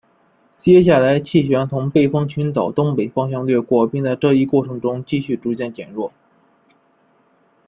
接下来气旋从背风群岛东北方向掠过并在这一过程中继续逐渐减弱。